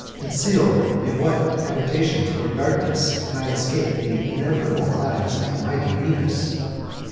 Concealed in what habitations or darkness can I escape the inevitable eyes of the mighty Venus